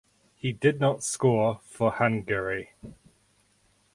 He did not score for Hungary.